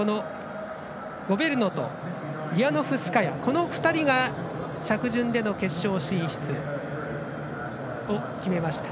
ゴベルノとイアノフスカヤこの２人が着順での決勝進出を決めました。